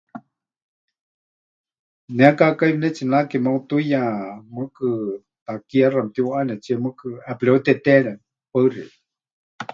Ne kaakai pɨnetsinake meutuiya, mɨɨkɨ takie ʼaxa mɨtiuʼanetsie mɨɨkɨ ʼepɨreuteteere. Paɨ xeikɨ́a.